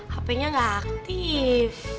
hape nya gak aktif